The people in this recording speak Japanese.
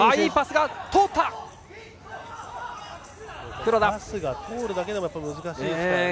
今の、パスが通るだけでも難しいですからね。